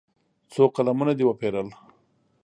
څو قلمونه دې وپېرل.